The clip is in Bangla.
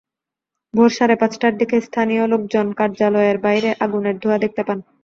ভোর সাড়ে পাঁচটার দিকে স্থানী লোকজন কার্যালয়ের বাইরে আগুনের ধোঁয়া দেখতে পান।